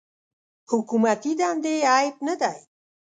حکومتي دندې عیب نه دی.